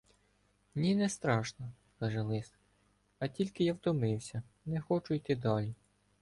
- Ні, не страшно, - каже Лис, - а тільки я втомився, не хочу йти далі.